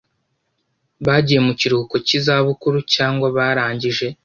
bagiye mu kiruhuko cy izabukuru cyangwa barangije